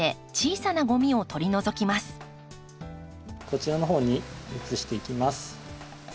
こちらのほうに移していきます。